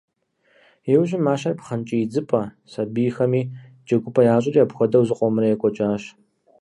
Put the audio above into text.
Иужьым мащэр пхъэнкӏий идзыпӏэ, сабийхэми джэгупӏэ ящӏри, апхуэдэу зыкъомрэ екӏуэкӏащ.